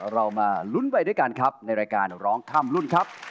เรามาลุ้นไปด้วยกันครับในรายการร้องข้ามรุ่นครับ